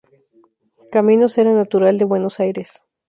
Caminos era natural de Buenos Aires.